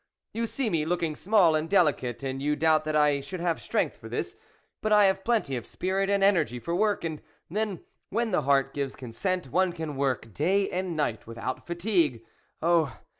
You see me looking small and delicate, and you doubt that I should have strength for this ; but I have plenty of spirit and energy for work, and then, when the heart gives consent, one can work day and night without fatigue. Oh